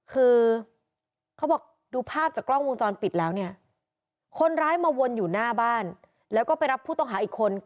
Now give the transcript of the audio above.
คือเขาบอกดูภาพจากกล้องวงจรปิดแล้วเนี่ยคนร้ายมาวนอยู่หน้าบ้านแล้วก็ไปรับผู้ต้องหาอีกคน